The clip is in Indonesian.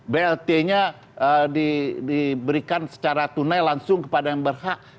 blt nya diberikan secara tunai langsung kepada yang berada di luar